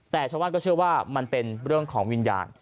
แต่ชาวบ้านก็เชื่อว่ามันเป็นเรื่องของวิญญาณ